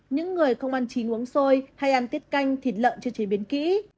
những người không ăn trí uống xôi hay ăn tiết canh thịt lợn chưa chế biến kỹ